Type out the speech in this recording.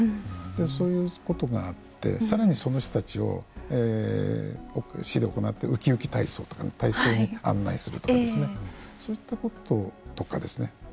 そういうことがあってさらにその人たちをウキウキ体操とか案内するとかそういったこととかですね。